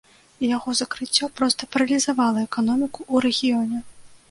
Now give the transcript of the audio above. Яго закрыццё проста паралізавала эканоміку ў рэгіёне.